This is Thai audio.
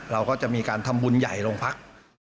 เราก็จะมีการทำบุญใหญ่โรงพัก